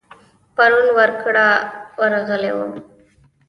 پرون ور کره ورغلی وم.